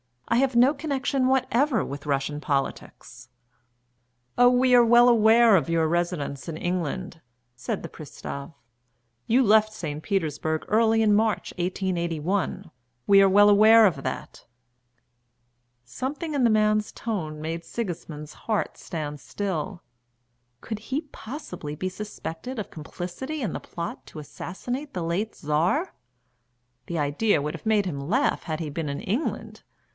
I have no connection whatever with Russian politics." "Oh, we are well aware of your residence in England," said the pristav. "You left St. Petersburg early in March 1881. We are well aware of that." Something in the man's tone made Sigismund's heart stand still. Could he possibly be suspected of complicity in the plot to assassinate the late Czar? The idea would have made him laugh had he been in England.